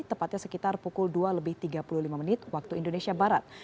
tepatnya sekitar pukul dua lebih tiga puluh lima menit waktu indonesia barat